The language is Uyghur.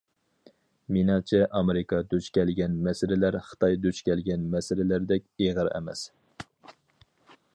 مېنىڭچە ئامېرىكا دۇچ كەلگەن مەسىلىلەر خىتاي دۇچ كەلگەن مەسىلىلەردەك ئېغىر ئەمەس.